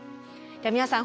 皆さん